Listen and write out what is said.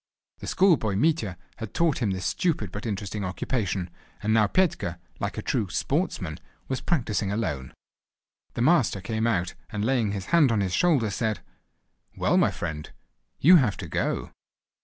The schoolboy Mitya had taught him this stupid but interesting occupation, and now Petka, like a true "sportsman," was practising alone. The master came out, and laying his hand on his shoulder, said: "Well, my friend, you have to go!"